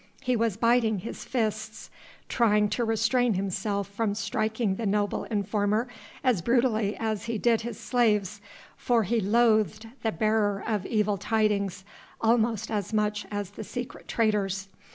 He was biting his fists, trying to restrain himself from striking the noble informer as brutally as he did his slaves, for he loathed the bearer of evil tidings almost as much as the secret traitors.